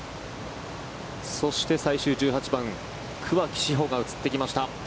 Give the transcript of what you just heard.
そして最終１８番桑木志帆が映ってきました。